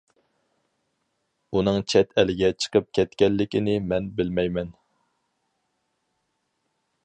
ئۇنىڭ چەت ئەلگە چىقىپ كەتكەنلىكىنى مەن بىلمەيمەن.